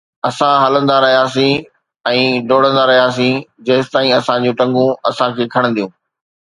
اسان هلندا رهياسين ۽ ڊوڙندا رهياسين جيستائين اسان جون ٽنگون اسان کي کڻنديون